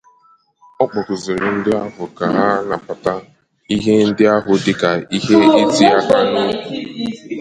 Ọ kpọkùzịrị ndị ahụ ka ha nabàta ihe ndị ahụ dịka ihe iti aka n'obi